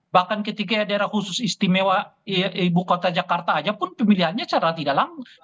bahkan ketika daerah khusus istimewa ibu kota jakarta aja pun pemilihannya secara tidak langsung